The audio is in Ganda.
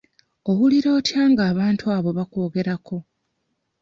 Owulira otya nga abantu abo bakwogerako?